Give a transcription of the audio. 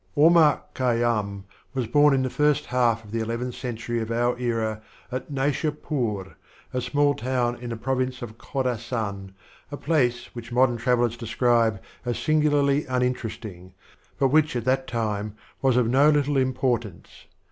/^MAR KHAYYAM was born in tlie first half of tlie eleventh century of our era at Naishsipur, a small town in the Province of Khorasan, a place which modern travelers describe as singularly unin teresting, but which at that time was of uo little importance.